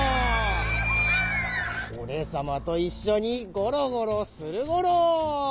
おれさまといっしょにゴロゴロするゴロ。